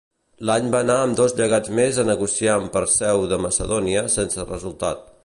L'any va anar amb dos llegats més a negociar amb Perseu de Macedònia sense resultat.